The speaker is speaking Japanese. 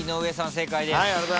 正解です。